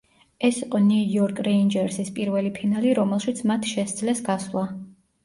ეს იყო ნიუ-იორკ რეინჯერსის პირველი ფინალი, რომელშიც მათ შესძლეს გასვლა.